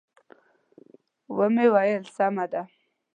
و مې ویل: سمه ده.